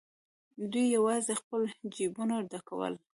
دوی یوازې خپل جېبونه ډکول.